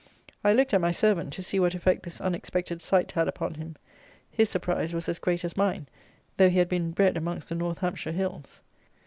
I looked at my servant, to see what effect this unexpected sight had upon him. His surprise was as great as mine, though he had been bred amongst the North Hampshire hills.